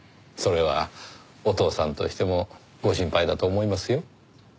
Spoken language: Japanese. それはお父さんとしてもご心配だと思いますよ。